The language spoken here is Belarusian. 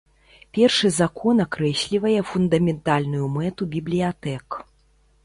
Першы закон акрэслівае фундаментальную мэту бібліятэк.